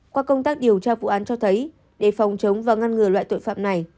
qua công tác điều tra vụ án cho thấy để phòng chống và ngăn ngừa loại tội phạm này